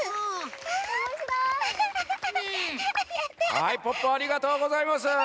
はいポッポありがとうございます。